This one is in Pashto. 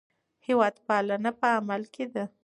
هېوادپالنه په عمل کې ده.